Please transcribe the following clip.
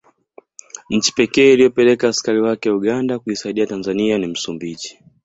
Nchi pekee iliyopeleka askari wake Uganda kuisaidia Tanzania ni Msumbiji